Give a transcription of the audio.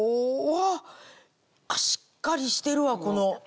あっしっかりしてるわ。